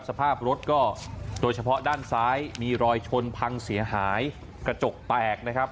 สภาพรถก็โดยเฉพาะด้านซ้ายมีรอยชนพังเสียหายกระจกแตกนะครับ